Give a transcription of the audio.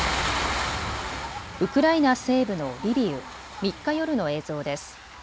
ウクライナ西部のリビウ、３日夜の映像です。